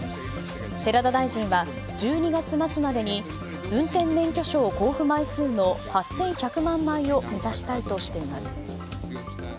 寺田大臣は１２月末までに運転免許証交付枚数の８１００万枚を目指したいとしています。